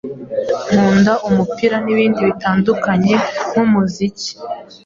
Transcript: nkunda umupira n’ibindi bitandukanye nk’umuziki